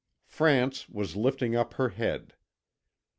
France was lifting up her head.